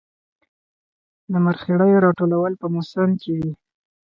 د مرخیړیو راټولول په موسم کې وي